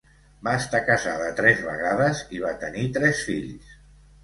Va estar casada tres vegades i va tenir tres fills.